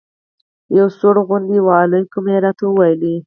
یو سوړ غوندې وعلیکم یې راته وویل.